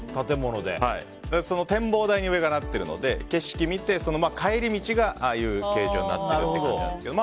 展望台に上がなっているので景色を見て、帰り道がああいう形状になっているんですけど。